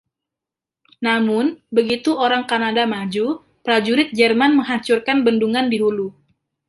Namun, begitu orang Kanada maju, prajurit Jerman menghancurkan bendungan di hulu.